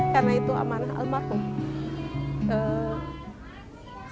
karena itu amanah almarhum